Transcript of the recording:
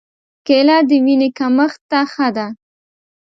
کېله د وینې کمښت ته ښه ده.